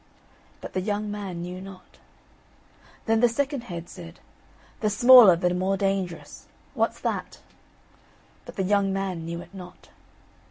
But the young man knew not. Then the second head said: "The smaller, the more dangerous, what's that?" But the young man knew it not.